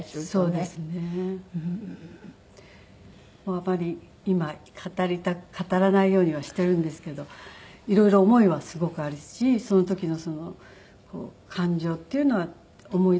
あまり今語らないようにはしているんですけど色々思いはすごくあるしその時の感情っていうのは思い出すんですけども。